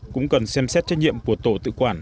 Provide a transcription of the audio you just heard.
cũng cần xem xét trách nhiệm của tổ tự quản